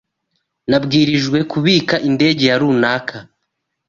Nabwirijwe kubika indege ya rukara .